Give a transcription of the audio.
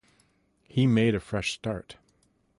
He made a fresh start.